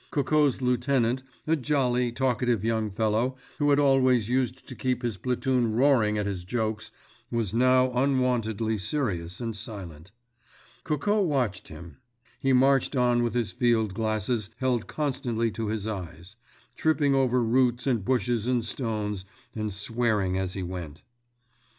Coco's lieutenant, a jolly, talkative young fellow who had always used to keep his platoon roaring at his jokes, was now unwontedly serious and silent. Coco watched him. He marched on with his field glasses held constantly to his eyes, tripping over roots and bushes and stones and swearing as he went.